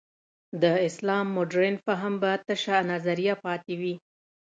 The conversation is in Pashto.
د اسلام مډرن فهم به تشه نظریه پاتې وي.